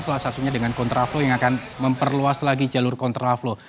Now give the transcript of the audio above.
salah satunya dengan kontra flow yang akan memperluas lagi jalur kontra flow